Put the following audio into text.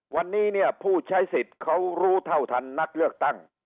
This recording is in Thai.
วันนี้เนี่ยผู้ใช้สิทธิ์เขารู้เท่าทันนักเลือกตั้ง